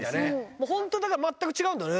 もう、本当だから、全く違うんだね。